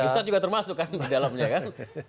ustadz juga termasuk kan di dalamnya kan